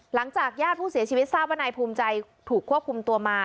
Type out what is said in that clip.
หลังจากญาติผู้เสียชีวิตทราบพนัยภูมิใจถูกควบคุมตัวมา